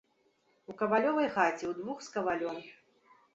У кавалёвай хаце, удвух з кавалём.